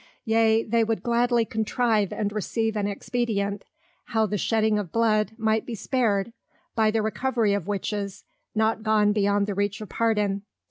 Yea, they would gladly contrive and receive an expedient, how the shedding of Blood, might be spared, by the Recovery of Witches, not gone beyond the Reach of Pardon.